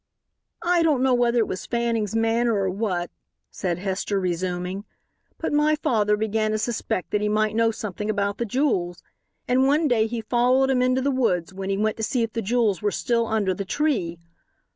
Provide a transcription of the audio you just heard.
"I don't know whether it was Fanning's manner or what," said Hester resuming, "but my father began to suspect that he might know something about the jewels, and one day he followed him into the woods when he went to see if the jewels were still under the tree.